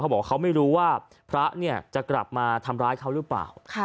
บอกว่าเขาไม่รู้ว่าพระเนี่ยจะกลับมาทำร้ายเขาหรือเปล่า